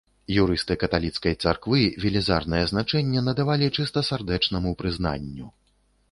Юрысты каталіцкай царквы велізарнае значэнне надавалі чыстасардэчнаму прызнанню.